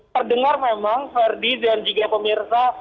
terdengar memang verdi dan juga pemirsa